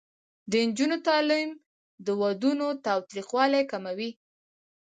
د نجونو تعلیم د ودونو تاوتریخوالی کموي.